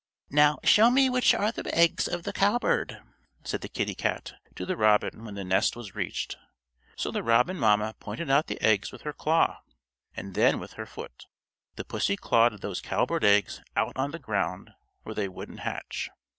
"Now show me which are the eggs of the cowbird?" said the kittie cat to the robin when the nest was reached. So the robin mamma pointed out the eggs with her claw, and then with her foot the pussy clawed those cowbird eggs out on the ground where they wouldn't hatch.